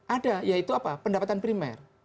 ada yaitu pendapatan primer